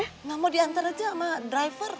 tidak mau diantar aja sama driver